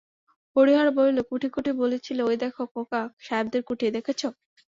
হরিহর বলিল, কুঠি কুঠি বলছিলে, ওই দেখো খোকা, সাহেবদের কুঠি, দেখেচো?